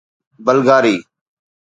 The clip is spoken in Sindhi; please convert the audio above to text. بلغاري